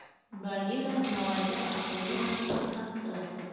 — Багира малайҙы асыулы ғына туҡтатты.